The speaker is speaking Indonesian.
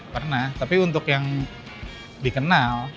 pernah tapi untuk yang dikenal